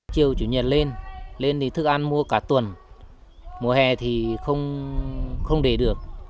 chiều chủ nhật lên lên thì thức ăn mua cả tuần mùa hè thì không để được